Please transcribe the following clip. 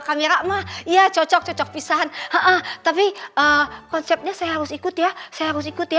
kamera emang iya cocok cocok pisan he'ah tapi konsepnya saya harus ikut ya saya harus ikut ya